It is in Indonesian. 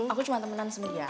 aku cuma temenan sama dia